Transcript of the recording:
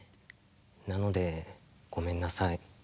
なのでごめんなさい。